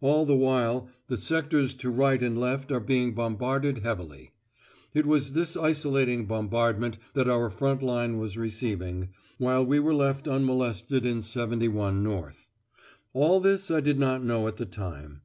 All the while the sectors to right and left are being bombarded heavily. It was this isolating bombardment that our front line was receiving, while we were left unmolested in 71 North. All this I did not know at the time.